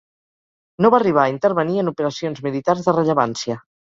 No va arribar a intervenir en operacions militars de rellevància.